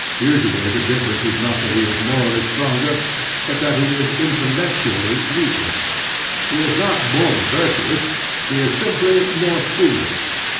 Usually the difference is not that he is morally stronger, but that he is intellectually weaker. He is not more virtuous. He is simply more foolish.